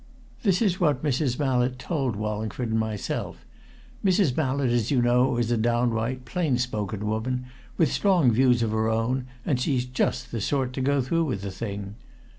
This is what Mrs. Mallett told Wallingford and myself; Mrs. Mallett, as you know, is a downright, plain spoken woman, with strong views of her own, and she's just the sort to go through with a thing.